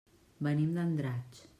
Venim d'Andratx.